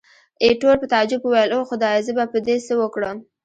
ایټور په تعجب وویل، اوه خدایه! زه به په دې څه وکړم.